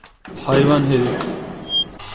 Hayvan herif!